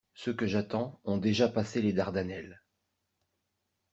Ceux que j'attends ont déjà passé les Dardannelles.